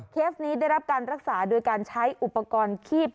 นี้ได้รับการรักษาโดยการใช้อุปกรณ์คีบ